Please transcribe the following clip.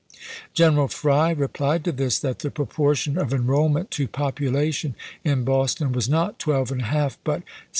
General Fry replied to this that the proportion of enrollment to population in Boston was not 12£ but 16.